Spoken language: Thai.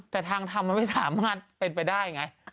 แต่ทางทำมันไม่สามารถเป็นไปได้ไง